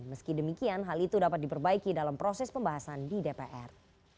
meski demikian hal itu dapat diperbaiki dalam proses pembahasan di dpr